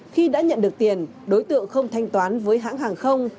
khi đã nhận được tiền đối tượng không thanh toán với hãng hàng không